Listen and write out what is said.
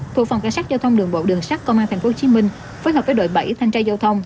thuộc phòng cảnh sát giao thông đường bộ đường sát công an tp hcm phối hợp với đội bảy thanh tra giao thông